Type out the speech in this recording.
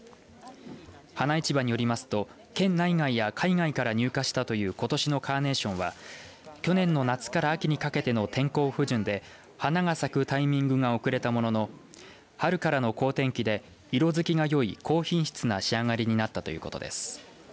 花市場によりますと県内外や海外から入荷したということしのカーネーションは去年の夏から秋にかけての天候不順で花が咲くタイミングが遅れたものの春からの好天気で色づきがよい高品質の仕上がりになったということです。